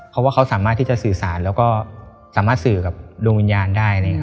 เพราะว่าเขาสามารถที่จะสื่อสารแล้วก็สามารถสื่อกับดวงวิญญาณได้